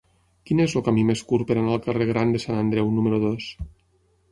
Quin és el camí més curt per anar al carrer Gran de Sant Andreu número dos?